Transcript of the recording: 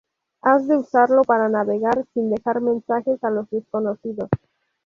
has de usarlo para navegar sin dejar mensajes a los desconocidos